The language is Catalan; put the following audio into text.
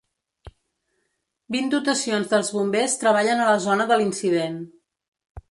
Vint dotacions dels bombers treballen a la zona de l’incident.